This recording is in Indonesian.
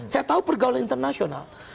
saya tahu pergaulan internasional